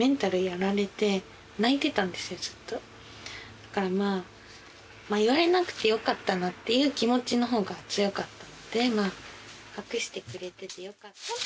だからまあ言われなくてよかったなっていう気持ちの方が強かったので隠してくれててよかった。